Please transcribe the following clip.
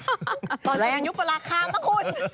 ตอนยังยุคประหลักค่ะมะคุณ